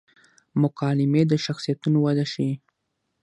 مکالمې د شخصیتونو وده ښيي.